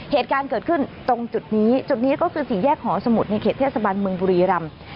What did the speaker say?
เหตุการณ์เกิดขึ้นตรงจุดนี้จุดนี้ก็คือสี่แยกหอสมุทรในเขตเทศบาลเมืองบุรีรำ